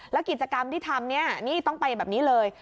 แล้วกิจกรรมที่ทำเนี่ยนี่ต้องไปแบบนี้เลย